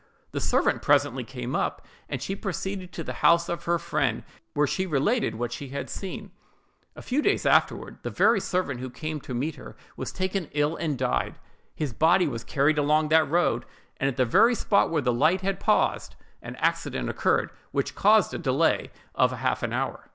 The servant presently came up, and she proceeded to the house of her friend, where she related what she had seen. A few days afterward, the very servant who came to meet her was taken ill and died: his body was carried along that road; and, at the very spot where the light had paused, an accident occurred, which caused a delay of half an hour.